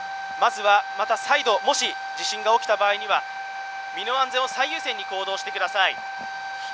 まずは、また再度、もし地震が起きた場合には、身の安全を最優先に行動してください。